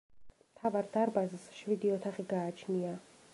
მთავარ დარბაზს შვიდი ოთახი გააჩნია.